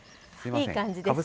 いい感じです。